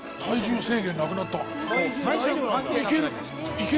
体重制限なくなった。